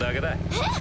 えっ！